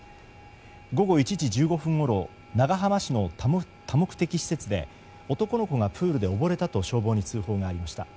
午後１時１５分ごろ長浜市の多目的施設で男の子がプールで溺れたと消防に通報がありました。